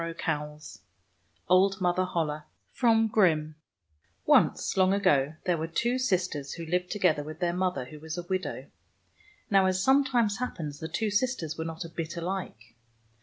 147 ] OLD MOTHER HOLLE O NCE, long ago, there were two sisters who lived together with their mother, who was a widow. Now, as sometimes happens, the two sis ters were not a bit alike.